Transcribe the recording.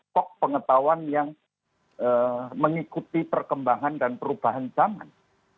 stok pengetahuan yang mengikuti perkembangan dan perubahan zaman